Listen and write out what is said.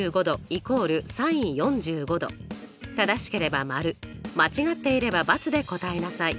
正しければ○間違っていれば×で答えなさい。